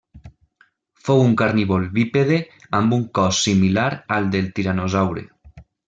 Fou un carnívor bípede amb un cos similar al del tiranosaure.